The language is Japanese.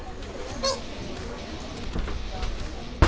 はい。